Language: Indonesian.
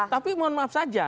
ya nggak kenapa saja